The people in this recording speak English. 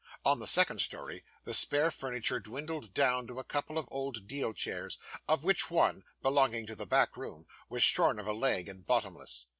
On the second story, the spare furniture dwindled down to a couple of old deal chairs, of which one, belonging to the back room, was shorn of a leg, and bottomless.